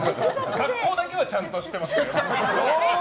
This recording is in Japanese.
格好だけはちゃんとしてますから。